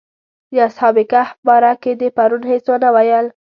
د اصحاب کهف باره کې دې پرون هېڅ ونه ویل.